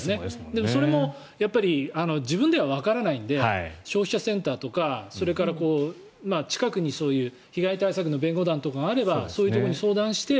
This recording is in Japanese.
でもそれもやっぱり自分ではわからないので消費者センターとか近くにそういう被害対策の弁護団とかがあればそういうところに相談して。